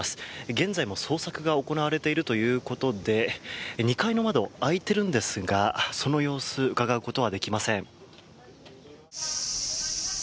現在も捜索が行われているということで２階の窓、開いているんですがその様子うかがうことはできません。